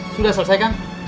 sudah selesai kang